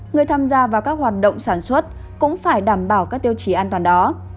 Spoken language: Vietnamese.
người tham gia vào các hoạt động sản xuất cũng phải đảm bảo các tiêu chí an toàn đó